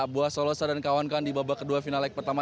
buah solosa dan kawankan di babak kedua final leg pertama